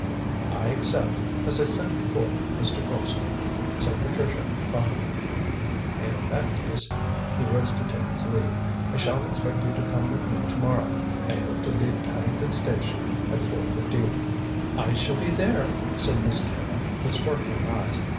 "I accept, as I said before, Mr. Colpster," said Patricia promptly. "In that case" he rose to take his leave "I shall expect you to come with me to morrow. I hope to leave Paddington Station at four fifteen." "I shall be there," said Miss Carrol, with sparkling eyes.